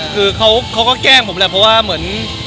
คือเขาก็แกล้งผมแหละเพราะว่าเหมือน